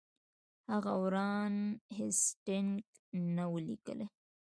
هغه وارن هیسټینګ ته ولیکل.